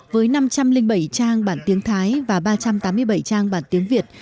với năm trăm linh bảy trang bản tiếng thái và ba trăm tám mươi bảy trang bản tiếng việt